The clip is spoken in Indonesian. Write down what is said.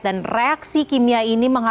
dan reaksi kimia ini mengatakan